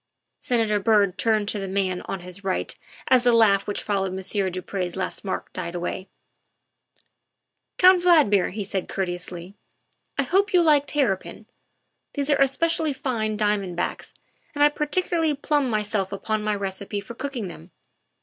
Senator Byrd turned to the man on his right as the laugh which followed Monsieur du Pre's last remark died away. " Count Valdmir," he said courteously, " I hope you like terrapin; these are especially fine diamond backs, and I particularly plume myself upon my recipe for cooking them.